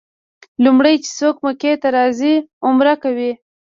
لومړی چې څوک مکې ته راځي عمره کوي.